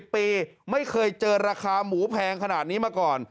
ปีไม่เคยเจอราคาหมูแพงขนาดนี้มาก่อน